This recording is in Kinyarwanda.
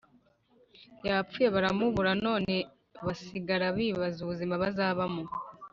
yapfuye baramubura noneho basigara bibaza ubuzima bazabamo